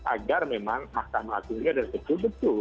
agar memang mahkamah agung ini harus betul betul